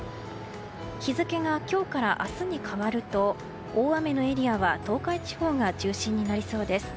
日付が今日から明日に変わると大雨のエリアは東海地方が中心になりそうです。